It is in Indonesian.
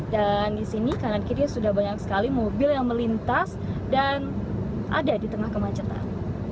dan di sini kanan kiri sudah banyak sekali mobil yang melintas dan ada di tengah kemacetan